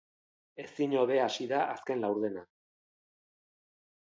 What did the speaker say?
Ezin hobe hasi da azken laurdena.